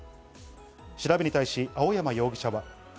調べに対し青山容疑者は。